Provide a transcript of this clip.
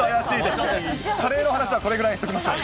カレーの話はこれぐらいにしておきましょう。